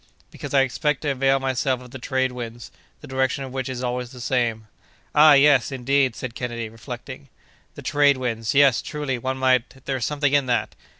"Because I expect to avail myself of the trade winds, the direction of which is always the same." "Ah! yes, indeed!" said Kennedy, reflecting; "the trade winds—yes—truly—one might—there's something in that!"